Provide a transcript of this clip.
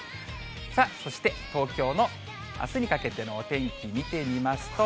さあ、そして東京のあすにかけてのお天気見てみますと。